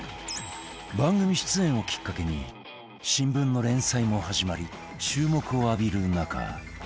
番組出演をきっかけに新聞の連載も始まり注目を浴びる中